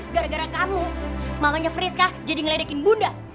gara gara kamu mamanya friska jadi ngeledekin bunda